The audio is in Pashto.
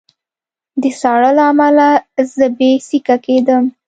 د ساړه له امله زه بې سېکه کېدم